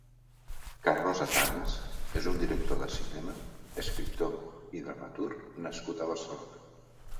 Carlos Atanes és un director de cinema, escriptor i dramaturg nascut a Barcelona.